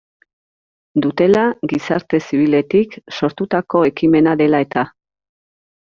Dutela, gizarte zibiletik sortutako ekimena dela eta.